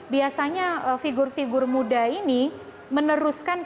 biasanya figur figur muda ini meneruskan kekelombok kelombok yang berkelombok kelombok